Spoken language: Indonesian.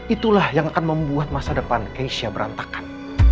itulah yang akan membuat masa depan asia berantakan